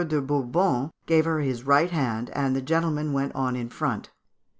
de Bourbon gave her his right hand, and the gentlemen went on in front.